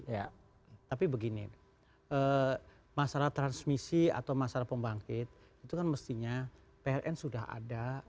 ya tapi begini masalah transmisi atau masalah pembangkit itu kan mestinya pln sudah ada